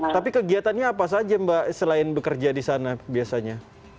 tapi kegiatannya apa saja mbak selain bekerja di sana biasanya